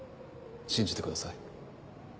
信じてください。